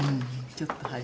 ちょっとはい。